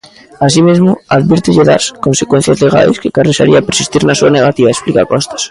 Así mesmo, advírtelle das "consecuencias legais" que carrexaría persistir na súa negativa, explica Costas.